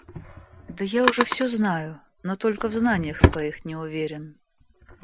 Да я уже всё знаю, но только в знаниях своих не уверен.